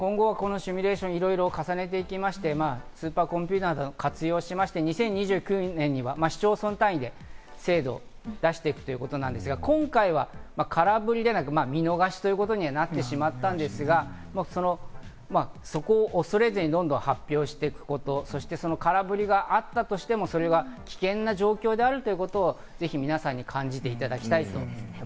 シミュレーションを重ねていきまして、スーパーコンピューターなどを活用して２０２９年には市区町村単位で精度を出していくということですが、今回は空振りというか、見逃しとなってしまったんですが、そこを恐れずにどんどん発表していく、空振りがあったとしても、危険な状況であるということをぜひ皆さんに感じていただきたいと思います。